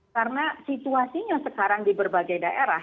karena situasinya sekarang di berbagai daerah